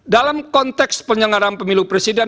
dalam konteks penyelenggaraan pemilu presiden